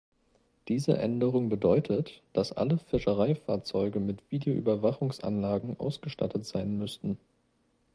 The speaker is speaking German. Diese Änderung bedeutet, dass alle Fischereifahrzeuge mit Videoüberwachungsanlagen ausgestattet sein müssten.